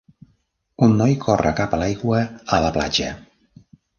Un noi corre cap l'aigua a la platja